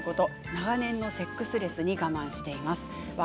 長年のセックスレスに我慢しています。